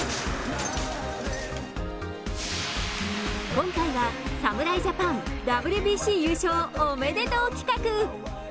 今回は、侍ジャパンＷＢＣ優勝おめでとう企画！